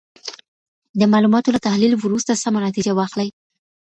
د معلوماتو له تحلیل وروسته سمه نتیجه واخلئ.